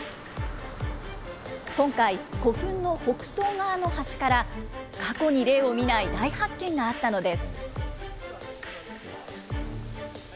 今回、古墳の北東側の端から過去に例を見ない大発見があったのです。